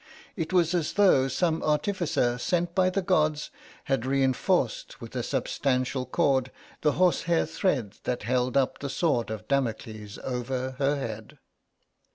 It was as though some artificer sent by the Gods had reinforced with a substantial cord the horsehair thread that held up the sword of Damocles over her head.